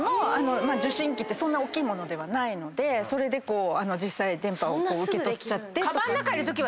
受信機ってそんなおっきい物ではないのでそれで実際電波を受け取っちゃって。